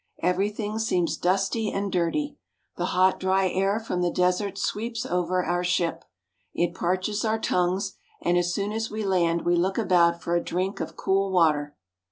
Everything seems dusty and dirty. The hot, dry air from the desert sweeps over our ship. It parches our tongues, and as soon as we land we look about for a drink of cool water.